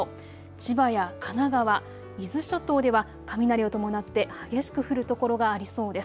千葉や神奈川、伊豆諸島では雷を伴って激しく降る所がありそうです。